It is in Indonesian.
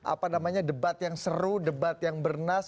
apa namanya debat yang seru debat yang bernas